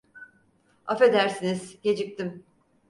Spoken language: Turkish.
Affedersiniz, geciktim.